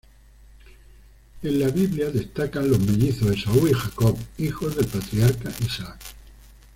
En la biblia destacan los mellizos Esaú y Jacob hijos del patriarca Isaac.